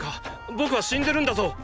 僕は死んでるんだぞ